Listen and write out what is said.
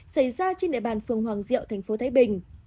xảy ra trên địa bàn phường hoàng diệu tp thái bình